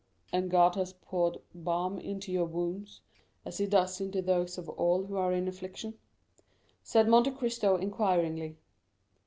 "And God has poured balm into your wounds, as he does into those of all who are in affliction?" said Monte Cristo inquiringly.